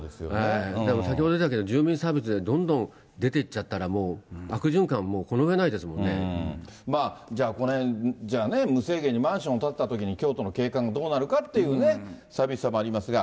先ほど出たけど、住民サービスでどんどん出て行っちゃったら、悪循環、もうこの上じゃあこの辺、じゃあね、無制限にマンションを建てたときに、京都の景観がどうなるかっていうね、寂しさもありますが。